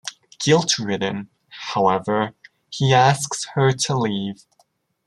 Guilt-ridden, however, he asks her to leave.